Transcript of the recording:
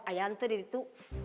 ayah itu diri itu